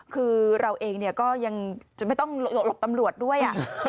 คือเราเองก็ยังจะไม่ต้องหลบตำรวจด้วย